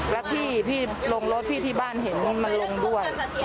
แล้วพี่ลงรถพี่ที่บ้านเห็นมันลงด้วย